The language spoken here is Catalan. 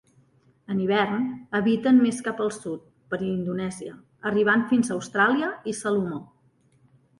En hivern habiten més cap al sud, per Indonèsia, arribant fins a Austràlia i Salomó.